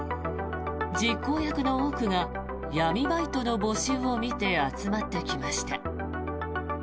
実行役の多くが闇バイトの募集を見て集まってきました。